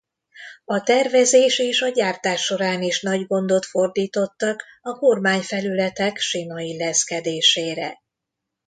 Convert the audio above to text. A tervezés és a gyártás során is nagy gondot fordítottak a kormányfelületek sima illeszkedésére.